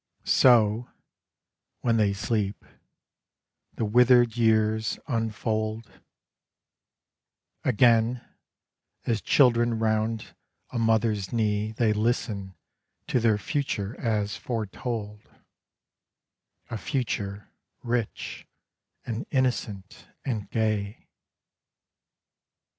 So, when they sleep, the withered years unfold, — Again, as children round a mother's knee They listen to their future as foretold — A future rich and innocent and gay.